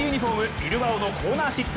ビルバオのコーナーキック。